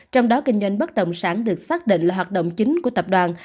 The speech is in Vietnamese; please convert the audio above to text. trong đó kinh doanh bất động sản được xác định là hoạt động chính của tập đoàn